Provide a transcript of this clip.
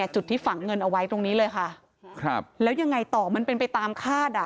จุดที่ฝังเงินเอาไว้ตรงนี้เลยค่ะแล้วยังไงต่อมันเป็นไปตามคาดอ่ะ